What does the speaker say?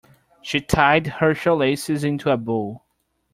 She tied her shoelaces into a bow.